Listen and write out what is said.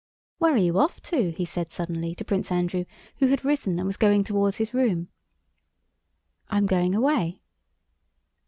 "Where are you off to?" he said suddenly to Prince Andrew who had risen and was going toward his room. "I am going away."